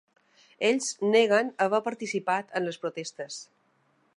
Ells neguen haver participat en les protestes.